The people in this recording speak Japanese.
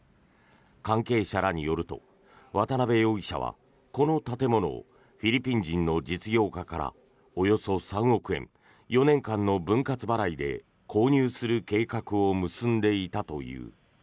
関係者らによると渡邉容疑者はこの建物をフィリピン人の実業家からおよそ３億円４年間の分割払いで購入する計画を結んでいたという。